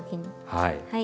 はい。